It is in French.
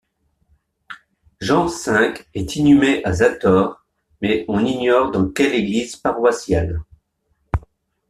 Jean V est inhumé à Zator, mais on ignore dans quelle église paroissiale.